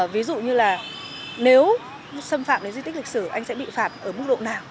ví dụ như là nếu xâm phạm đến di tích lịch sử anh sẽ bị phạt ở mức độ nào